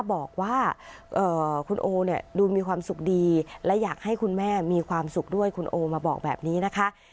บอกว่าคุณโอเนี่ยดูมีความสุขดีและอยากให้คุณแม่มีความสุขด้วยคุณโอมาบอกแบบนี้นะคะ